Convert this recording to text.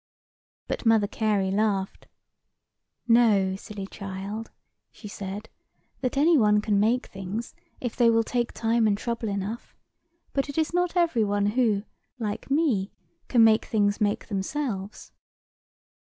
But Mother Carey laughed. "Know, silly child," she said, "that any one can make things, if they will take time and trouble enough: but it is not every one who, like me, can make things make themselves."